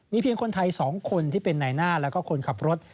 เพียงคนไทย๒คนที่เป็นนายหน้าแล้วก็คนขับรถ